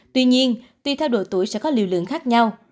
tuy nhiên tùy theo độ tuổi sẽ có liều lượng khác nhau